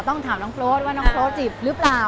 ต้องถามน้องโปรดว่าน้องโปรดจีบหรือเปล่า